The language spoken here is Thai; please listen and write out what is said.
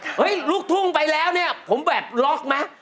ถ้าลูกทุ่งไปแล้วนี่ผมแบบล็อคมั้ย